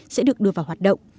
sẽ được đưa vào hoạt động